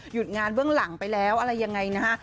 งานเบื้องหลังไปแล้วอะไรยังไงนะฮะ